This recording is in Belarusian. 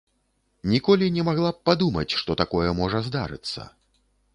Ніколі не магла б падумаць, што такое можа здарыцца.